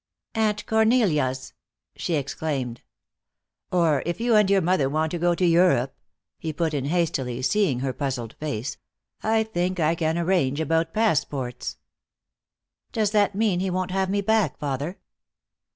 "Aunt Cornelia's!" she exclaimed. "Or, if you and your mother want to go to Europe," he put in hastily, seeing her puzzled face, "I think I can arrange about passports." "Does that mean he won't have me back, father?"